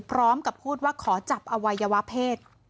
พร้อมกับพูดว่าขอจับอวัยวะเพศ